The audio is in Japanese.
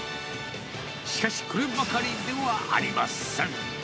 しかし、こればかりではありません。